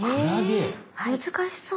え難しそう。